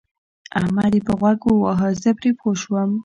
احمد يې په غوږ وواهه زه پرې پوه شوم.